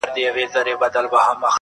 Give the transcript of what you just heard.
کتابونه یې په څنګ کي وه نیولي!.